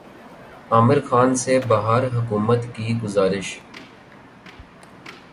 عامر خان سے بہار حکومت کی گزارش